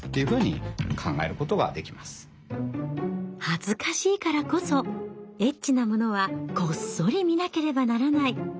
恥ずかしいからこそエッチなものはこっそり見なければならない。